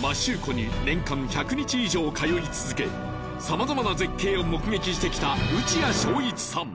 摩周湖に年間１００日以上通い続けさまざまな絶景を目撃してきた打矢晶一さん